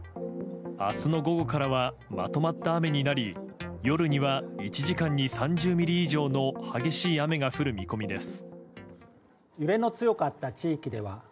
明日の午後からはまとまった雨になり夜には１時間に３０ミリ以上の激しい雨が降る見込みです。